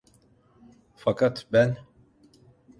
Fakat ben…